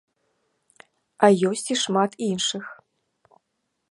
А ёсць і шмат іншых!